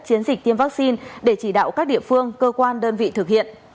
chiến dịch tiêm vaccine để chỉ đạo các địa phương cơ quan đơn vị thực hiện